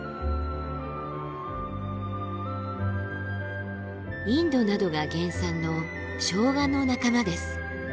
インドなどが原産のショウガの仲間です。